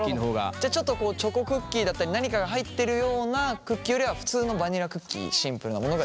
じゃあちょっとこうチョコクッキーだったり何かが入っているようなクッキーよりは普通のバニラクッキーシンプルなものが。